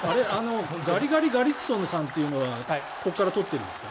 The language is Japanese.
ガリガリガリクソンさんはここから取っているんですか？